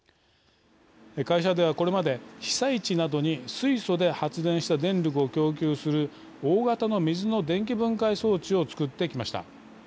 会社ではこれまで被災地などに水素で発電した電力を供給する大型の水の電気分解装置を作ってきました。